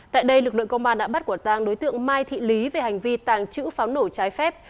tại đây lực lượng công an đã bắt quả tàng đối tượng mai thị lý về hành vi tàng trữ pháo nổ trái phép